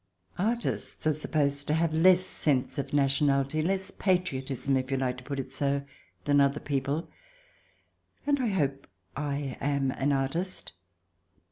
Artists are supposed to have less sense of nationality — less patriotism, if you like to put it so — than other people. And I hope I am an artist.